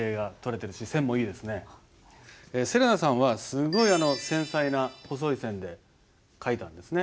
せれなさんはすごい繊細な細い線で書いたんですね。